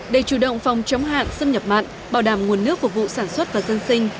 để chủ động phòng chống hạn xâm nhập mặn bảo đảm nguồn nước phục vụ sản xuất và dân sinh